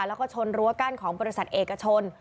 แล้วก็ชนรั้วกั้นของบริษัทเอกชน